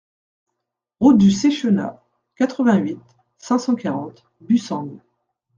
Route du Séchenat, quatre-vingt-huit, cinq cent quarante Bussang